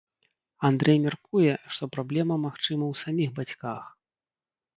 Андрэй мяркуе, што праблема, магчыма, у саміх бацьках.